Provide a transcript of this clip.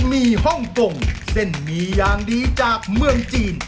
มีฮ่องกงเส้นหมี่อย่างดีจากเมืองจีน